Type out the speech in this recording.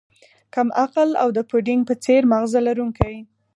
کم عقل او د پوډینګ په څیر ماغزه لرونکی